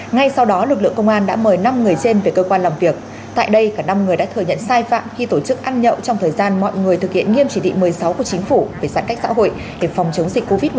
ngay sau đó lực lượng công an đã mời năm người trên về cơ quan làm việc tại đây cả năm người đã thừa nhận sai phạm khi tổ chức ăn nhậu trong thời gian mọi người thực hiện nghiêm chỉ thị một mươi sáu của chính phủ về giãn cách xã hội để phòng chống dịch covid một mươi chín